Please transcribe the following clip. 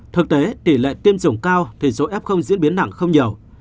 thực tế tỷ lệ tiêm chủng cao thì dối f diễn biến nặng không nhiều